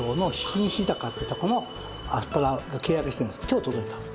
今日届いたの。